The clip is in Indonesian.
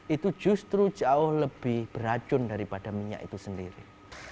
itu justru jauh lebih beracun daripada minyak itu sendiri